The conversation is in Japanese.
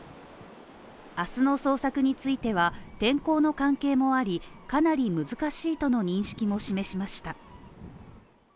明日の捜索については、天候の関係もありかなり難しいとの認識も示しました。